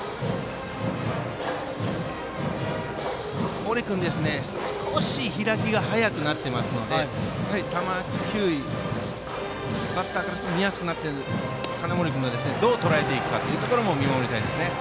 森君、少し開きが早くなっていますので球威、バッターからすると見やすくなって金森君がどうとらえていくかも見守りたいですね。